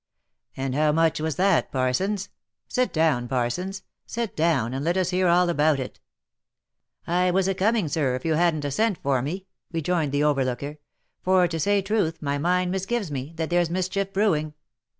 "And how much was that, Parsons? Sit down, Parsons — sit down, and let us hear all about it." 32 THE LIFE AND ADVENTURES " I was a coming, sir, if you hadn't a sent for me," rejoined the overlooker ;«' for to say truth, my mind misgives me, that there's mischief brewing."